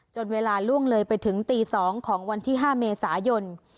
เวลาล่วงเลยไปถึงตี๒ของวันที่๕เมษายน